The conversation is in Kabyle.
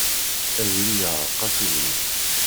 Ad yili iεreq-as ubrid.